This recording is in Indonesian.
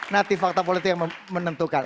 nanti fakta politik yang menentukan